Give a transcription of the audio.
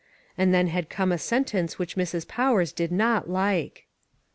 And then had come a sentence which Mrs. Powers did not like.